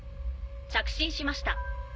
着信しました。